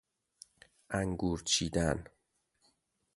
انگور چیدن